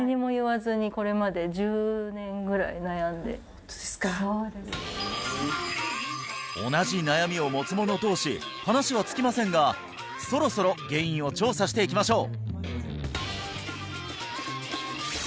何かこういうことは同じ悩みを持つ者同士話は尽きませんがそろそろ原因を調査していきましょう